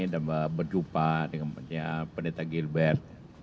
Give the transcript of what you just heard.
dan berjumpa dengan pendeta gilbert